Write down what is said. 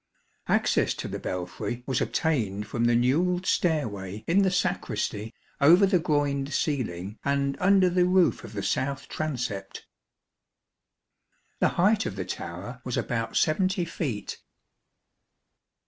Access to the belfry was obtained from the newelled stairway in the sacristy over the groined ceiling and under the roof of the south transept. The height of the tower was about 70 feet.